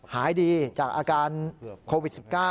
หายดีจากอาการโควิด๑๙